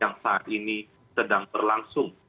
yang saat ini sedang berlangsung